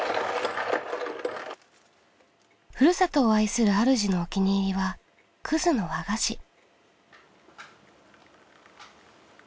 ふるさとを愛するあるじのお気に入りはの和菓子。